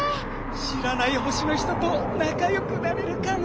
しらない星の人となかよくなれるかなあ。